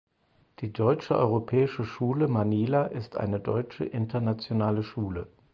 Die Deutsche Europäische Schule Manila ist eine deutsche internationale Schule.